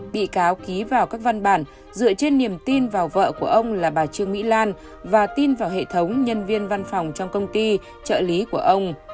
bị cáo ký vào các văn bản dựa trên niềm tin vào vợ của ông là bà trương mỹ lan và tin vào hệ thống nhân viên văn phòng trong công ty trợ lý của ông